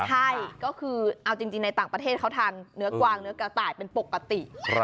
ใช่ก็คือเอาจริงในต่างประเทศเขาทานเนื้อกวางเนื้อกระต่ายเป็นปกติ